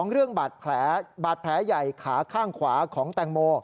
เรื่องบาดแผลบาดแผลใหญ่ขาข้างขวาของแตงโม